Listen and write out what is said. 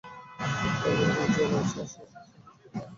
কাজেই তার জ্বালায় আমার সারস্বত স্বর্গলোকটির বেড়া রোজ ভাঙতে লাগল।